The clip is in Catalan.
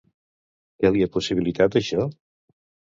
Què li ha possibilitat això?